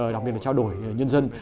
đặc biệt là trao đổi nhân dân